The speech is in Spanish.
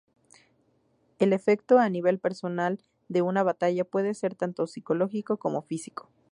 El efecto a nivel personal de una batalla puede ser tanto psicológico como físico.